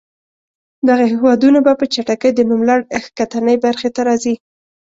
دغه هېوادونه به په چټکۍ د نوملړ ښکتنۍ برخې ته راځي.